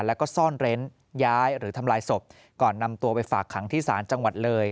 แล้วก็ซ่อนเร้นย้ายหรือทำลายศพก่อนนำตัวไปฝากขังที่ศาลจังหวัดเลย